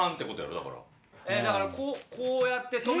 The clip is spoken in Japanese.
だからこうやって。